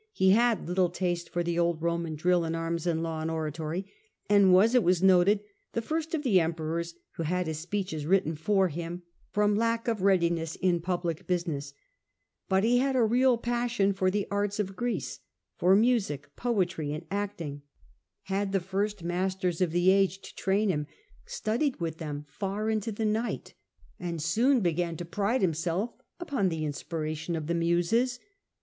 He had little taste for the old Roman drill in arms and law and oratory, and was, it was noted, the first he showed a emperors who had his speeches written passion for for him, from lack of readiness in public busi the fine art.s ^ passion for the arts of Greece, for music, poetry, and acting ; had the first ILD . 54 68. Nero. 103 masters of the age to train him, studied with them far into the night, and soon began to pride himself upon the inspiration of the Muses.